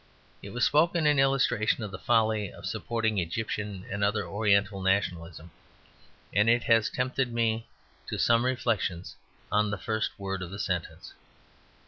It was spoken in illustration of the folly of supporting Egyptian and other Oriental nationalism, and it has tempted me to some reflections on the first word of the sentence.